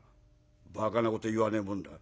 「ばかなこと言わねえもんだ。